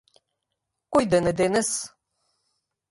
Кој ден е денес?